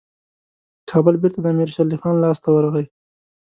کابل بیرته د امیر شېرعلي خان لاسته ورغی.